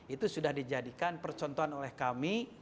itu sudah dijadikan percontohan oleh kami